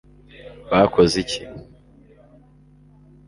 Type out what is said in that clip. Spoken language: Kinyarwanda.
bakoze iki